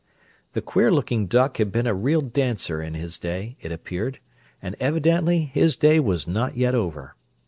The queer looking duck had been a real dancer in his day, it appeared; and evidently his day was not yet over.